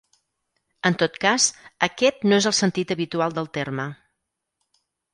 En tot cas, aquest no és el sentit habitual del terme.